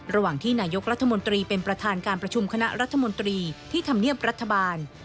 ระหว่างที่นายกรัฐมนตรีเป็นประธานการประชุมคณะรัฐมนตรีที่ธรรมเนียบรัฐบาล